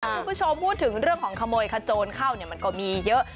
คุณผู้ชมพูดถึงเรื่องของขโมยขโจรเข้ามันก็มีเยอะ